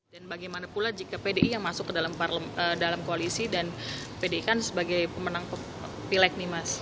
dan bagaimana pula jika pdi yang masuk ke dalam koalisi dan pdi kan sebagai pemenang pilih nih mas